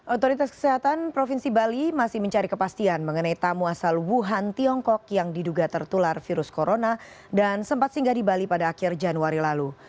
otoritas kesehatan provinsi bali masih mencari kepastian mengenai tamu asal wuhan tiongkok yang diduga tertular virus corona dan sempat singgah di bali pada akhir januari lalu